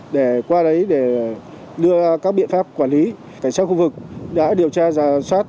để qua đấy để đưa các biện pháp quản lý cảnh sát khu vực đã điều tra giả soát